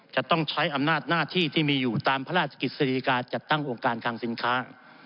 จะต้องใช้อำนาจหน้าที่ที่มีอยู่ตามพระราชกฤษฎิกาจัดตั้งองค์การคังสินค้า